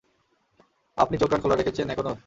আপনি চোখকান খোলা রেখেছেন এখনো?